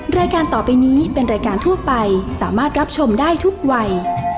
รายการต่อไปนี้เป็นรายการทั่วไปสามารถรับชมได้ทุกวัย